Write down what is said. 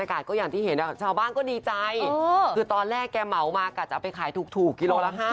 อากาศจะเอาไปขายถูกกิโลกรัมละ๕๐